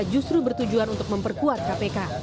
justru bertujuan untuk memperkuat kpk